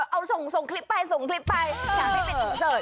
เอ้าส่งคลิปไปอย่างไม่เป็นติดเซิร์ต